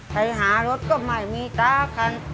ใครหารถก็ไม่มีจ้าคัน